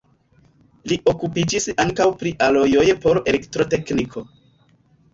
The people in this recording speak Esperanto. Li okupiĝis ankaŭ pri alojoj por elektrotekniko.